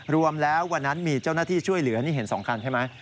รวมแล้ววันนั้นมีเจ้าหน้าที่ช่วยเหลือนี่เห็น๒คันใช่ไหม